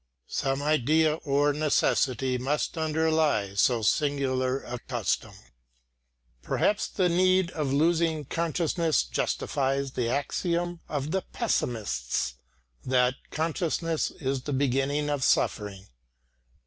Some idea or necessity must underlie so singular a custom. Perhaps the need of losing consciousness justifies the axiom of the pessimists that consciousness is the beginning of suffering.